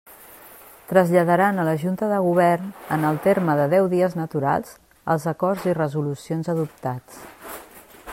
Traslladaran a la Junta de Govern, en el terme de deu dies naturals, els acords i resolucions adoptats.